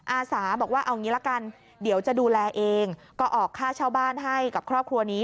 อาสาบอกว่าเอางี้ละกันเดี๋ยวจะดูแลเองก็ออกค่าเช่าบ้านให้กับครอบครัวนี้